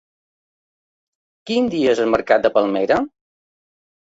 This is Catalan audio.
Quin dia és el mercat de Palmera?